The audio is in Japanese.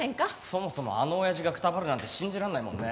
そもそもあの親父がくたばるなんて信じられないもんね。